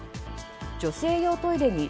女性用トイレに